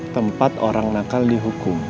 tempat orang nakal dihubungi